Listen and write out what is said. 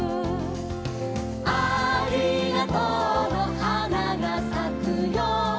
「ありがとうのはながさくよ」